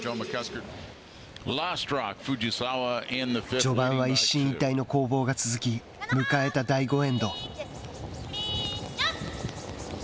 序盤は一進一退の攻防が続き迎えた第５エンド。